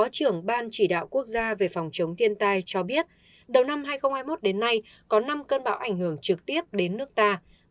trưởng ban chỉ đạo quốc gia về phòng chống thiên tai cho biết đầu năm hai nghìn hai mươi một đến nay có năm cơn bão ảnh hưởng trực tiếp đến nước ta